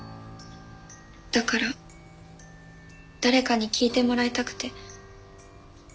だから誰かに聞いてもらいたくて。